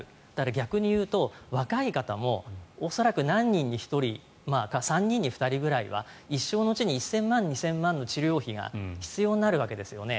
逆に言うと若い方も恐らく何人に１人３人に２人ぐらいは一生のうちに１０００万２０００万の治療費が必要になるわけですよね。